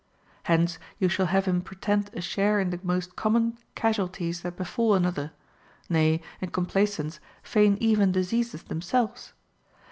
Hence you shall have him pre tend a share in the most common casualties that befall another, nay, in complaisance, feign even diseases them selves.